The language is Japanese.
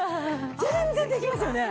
全然できますよね。